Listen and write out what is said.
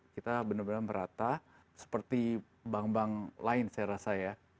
kita benar benar merata seperti bank bank lain saya rasa ya